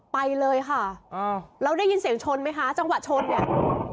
ไปเลยค่ะอ่าแล้วได้ยินเสียงชนไหมคะจังหวะชนเนี่ย